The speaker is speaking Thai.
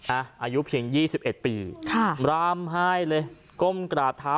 อายุเพียง๒๑ปีค่ะร่ำไห้เลยก้มกราบเท้า